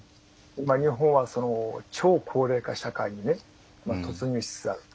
日本は超高齢化社会に突入しつつあると。